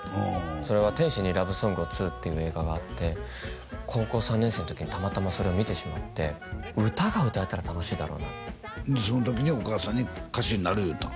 それは「天使にラブ・ソングを２」っていう映画があって高校３年生の時にたまたまそれを見てしまって歌が歌えたら楽しいだろうなってその時にお母さんに歌手になる言うたん？